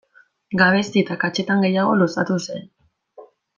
Gabezi eta akatsetan gehiago luzatu zen.